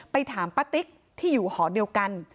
ถามป้าติ๊กที่อยู่หอเดียวกัน